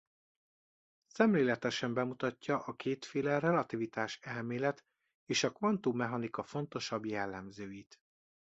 Szemléletesen bemutatja a kétféle relativitáselmélet és a kvantummechanika fontosabb jellemzőit.